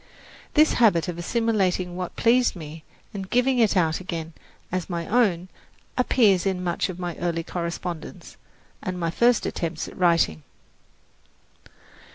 This habit of assimilating what pleased me and giving it out again as my own appears in much of my early correspondence and my first attempts at writing.